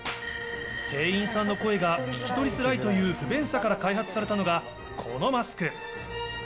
店員さんの声が聞き取りづらいという不便さから開発されたのが、このマスク。